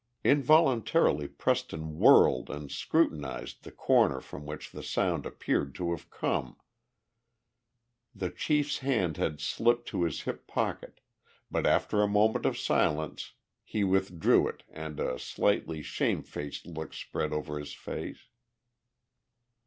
Involuntarily Preston whirled and scrutinized the corner from which the sound appeared to have come. The chief's hand had slipped to his hip pocket, but after a moment of silence he withdrew it and a slightly shamefaced look spread over his face.